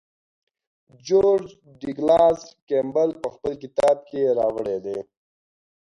جورج ډاګلاس کیمبل په خپل کتاب کې راوړی دی.